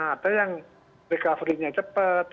ada yang recovery nya cepat